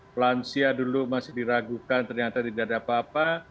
pelansia dulu masih diragukan ternyata tidak ada apa apa